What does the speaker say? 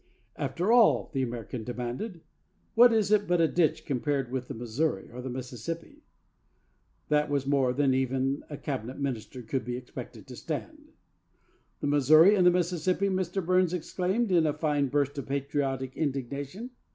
'After all,' the American demanded, 'what is it but a ditch compared with the Missouri or the Mississippi?' This was more than even a Cabinet Minister could be expected to stand. 'The Missouri and the Mississippi!' Mr. Burns exclaimed in a fine burst of patriotic indignation.